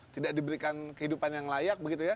tidak diberikan kehidupan yang layak